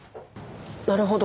なるほど。